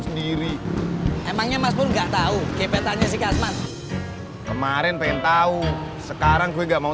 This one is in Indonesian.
sendiri emangnya mas pun enggak tahu kp tanya sih kasman kemarin pengen tahu sekarang gue nggak mau